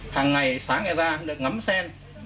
hàng ngày sáng ngày ra được ngắm sen